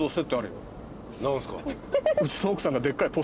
何すか？